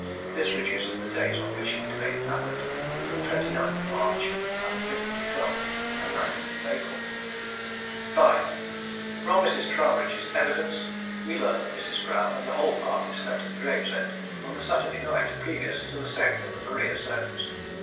This reduces the days on which it may have happened to the 29th March and 5th, 12th, and 19th April. 5. From Mrs. Troubridge's evidence we learn that Mrs. Brown and the whole party slept at Gravesend on the Saturday night previous to the sailing of the Maria Somes.